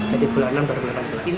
jadi bulan enam baru berulang ulang